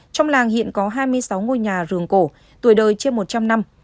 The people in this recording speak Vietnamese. trong làng hiện có hai mươi sáu ngôi nhà rường cổ tuổi đời trên một trăm linh năm